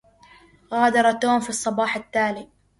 غادر توم في الصباح التالي.